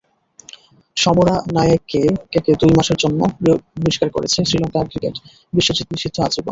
সমরানায়েকেকে দুই মাসের জন্য বহিষ্কার করেছে শ্রীলঙ্কা ক্রিকেট, বিশ্বজিৎ নিষিদ্ধ আজীবন।